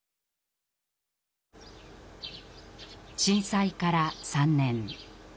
震災から３年。